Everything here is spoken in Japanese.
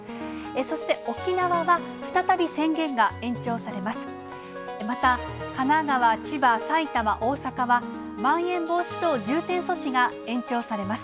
そして沖縄は、再び宣言が延長されます。